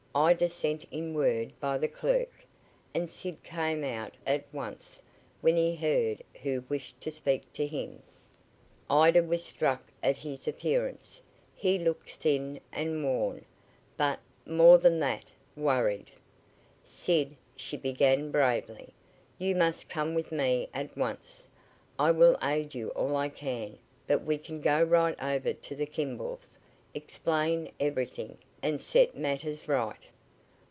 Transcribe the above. Ida sent in word by the clerk, and Sid came out at once when he heard who wished to speak to him. Ida was struck at his appearance. He looked thin and worn, but, more than that, worried. "Sid," she began bravely, "you must come with me at once. I will aid you all I can, but we must go right over to the Kimballs', explain everything, and set matters right."